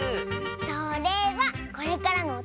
それはこれからのおたのしみ！